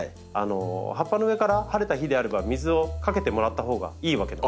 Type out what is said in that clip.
葉っぱの上から晴れた日であれば水をかけてもらったほうがいいわけです。